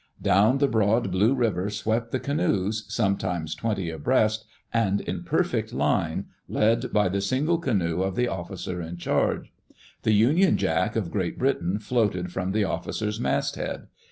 Down the broad blue river swept the canoes, sometimes twenty abreast, and in perfect line, led by the single canoe of the officer in charge. The Union Jack of Great Britain floated from the officer's masthead.